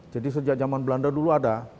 jadi sejak zaman belanda dulu ada